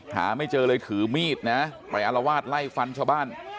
หาไม่เจอเลยถือมีดนะไปอารวาสไล่ฟันชาวบ้าน